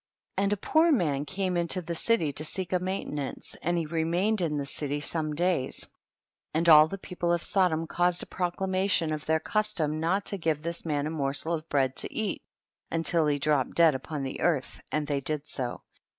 25. And a poor man came into the city to seek a maintenance, and he remained in the city some days, and all the people of Sodom caused a proclamation of their custom not to give this man a morsel of bread to eat, until he dropped dead upon the earth, and they did so.